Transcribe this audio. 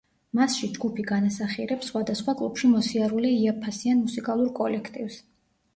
მასში ჯგუფი განასახიერებს სხვადასხვა კლუბში მოსიარულე იაფფასიან მუსიკალურ კოლექტივს.